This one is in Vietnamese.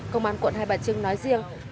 công an quận hai bà trưng nói riêng